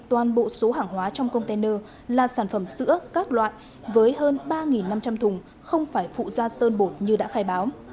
toàn bộ số hàng hóa trong container là sản phẩm sữa các loại với hơn ba năm trăm linh thùng không phải phụ da sơn bột như đã khai báo